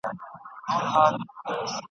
د جنوري پر اووه لسمه !.